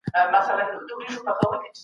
انسان ته ځانګړی شخصیت او حیثیت ورکول کیږي.